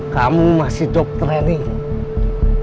kamu masih job training